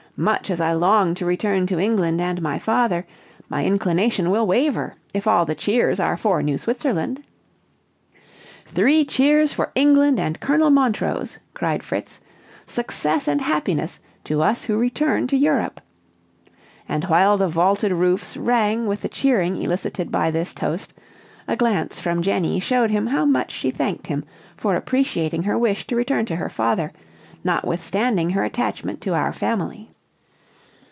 "Much as I long to return to England and my father, my inclination will waver if all the cheers are for New Switzerland!" "Three cheers for England and Colonel Montrose," cried Fritz; "success and happiness to us who return to Europe!" and while the vaulted roofs rang with the cheering elicited by this toast, a glance from Jenny showed him how much she thanked him for appreciating her wish, to return to her father, notwithstanding her attachment to our family.